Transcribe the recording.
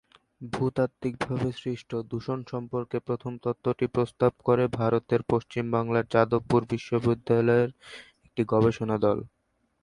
ভূতাত্ত্বিকভাবে সৃষ্ট দূষণ সম্পর্কে প্রথম তত্ত্বটি প্রস্তাব করে ভারতের পশ্চিম বাংলার যাদবপুর বিশ্ববিদ্যালয়ের একটি গবেষণা দল।